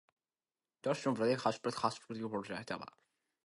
Convinced, Jahn gives the communicators back to Kirk.